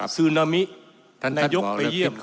ซึนามินายกไปเยี่ยม